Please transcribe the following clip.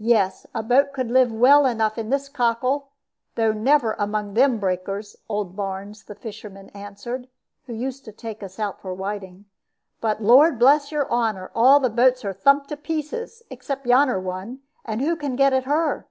"Yes, a boat could live well enough in this cockle, though never among them breakers," old Barnes, the fisherman, answered, who used to take us out for whiting; "but Lord bless your honor, all the boats are thumped to pieces, except yonner one, and who can get at her?"